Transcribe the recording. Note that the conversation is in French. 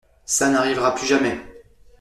Ça n’arrivera plus jamais.